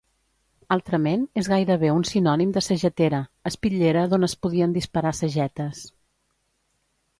Altrament, és gairebé un sinònim de sagetera, espitllera d'on es podien disparar sagetes.